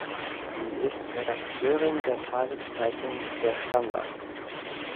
Sie ist Redakteurin der Tageszeitung Der Standard.